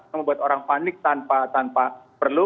membuat orang panik tanpa perlu